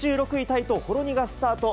タイと、ほろ苦スタート。